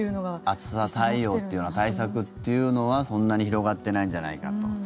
暑さ対策というのはそんなに広がってないんじゃないかと。